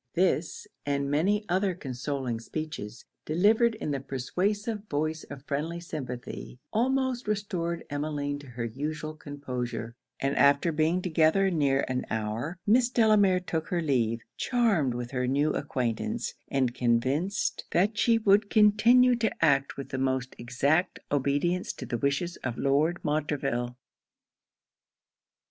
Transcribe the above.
This and many other consoling speeches, delivered in the persuasive voice of friendly sympathy, almost restored Emmeline to her usual composure; and after being together near an hour, Miss Delamere took her leave, charmed with her new acquaintance, and convinced that she would continue to act with the most exact obedience to the wishes of Lord Montreville.